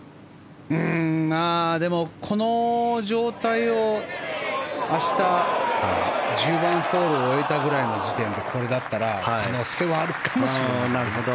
でも、この状態を明日、１０番ホール終えたくらいの時点でこれだったら、可能性はあるかもしれないですね。